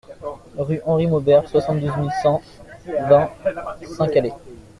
Rue Henri Maubert, soixante-douze mille cent vingt Saint-Calais